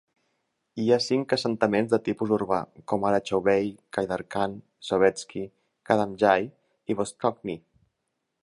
Hi ha cinc assentaments de tipus urbà, com ara Chauvay, Khaidarkan, Sovetskiy, Kadamjay i Vostochny.